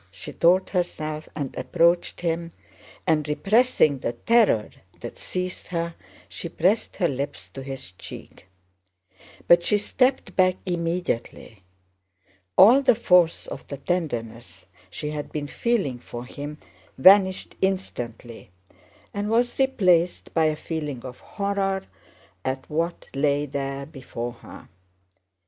she told herself and approached him, and repressing the terror that seized her, she pressed her lips to his cheek. But she stepped back immediately. All the force of the tenderness she had been feeling for him vanished instantly and was replaced by a feeling of horror at what lay there before her.